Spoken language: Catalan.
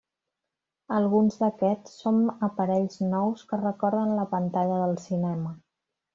Alguns d'aquests són aparells nous que recorden la pantalla del cinema.